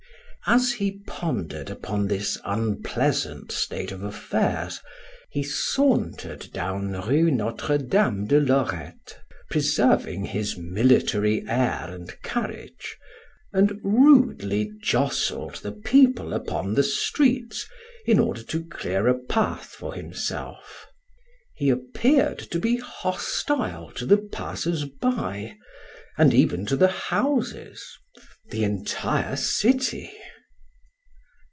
As he pondered upon this unpleasant state of affairs, he sauntered down Rue Notre Dame de Lorette, preserving his military air and carriage, and rudely jostled the people upon the streets in order to clear a path for himself. He appeared to be hostile to the passers by, and even to the houses, the entire city.